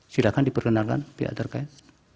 silahkan diperkenalkan pihak terkait